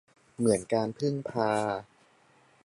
เหมือน การ พึ่ง พา